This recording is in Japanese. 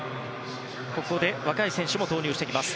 ここで若い選手も投入してきます。